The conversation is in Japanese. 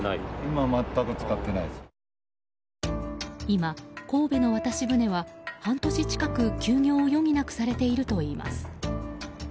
今、神戸の渡し舟は半年近く、休業を余儀なくされているといいます。